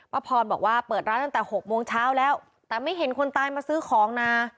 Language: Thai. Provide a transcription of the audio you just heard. พรบอกว่าเปิดร้านตั้งแต่๖โมงเช้าแล้วแต่ไม่เห็นคนตายมาซื้อของนะ